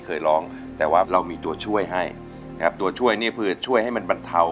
เคยร้องแต่ว่าเรามีตัวช่วยให้นะครับตัวช่วยนี่คือช่วยให้มันบรรเทา